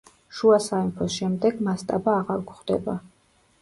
შუა სამეფოს შემდეგ მასტაბა აღარ გვხვდება.